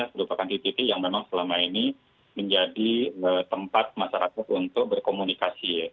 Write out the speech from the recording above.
merupakan titik titik yang memang selama ini menjadi tempat masyarakat untuk berkomunikasi